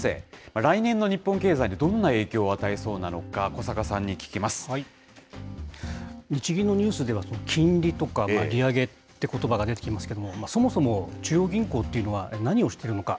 来年の日本経済にどんな影響を与えそうなのか、小坂さんに聞きま日銀のニュースでは金利とか、利上げってことばが出てきますけれども、そもそも中央銀行っていうのは何をしてるのか。